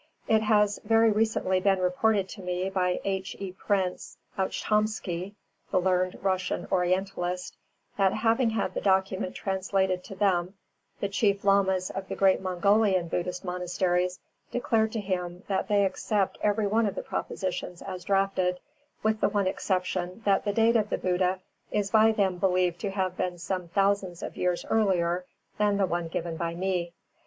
It has very recently been reported to me by H. E. Prince Ouchtomsky, the learned Russian Orientalist, that having had the document translated to them, the Chief Lamas of the great Mongolian Buddhist monasteries declared to him that they accept every one of the propositions as drafted, with the one exception that the date of the Buddha is by them believed to have been some thousands of years earlier than the one given by me.